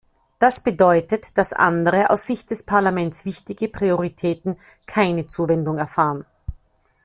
Das bedeutet, dass andere, aus Sicht des Parlaments wichtige Prioritäten keine Zuwendung erfahren.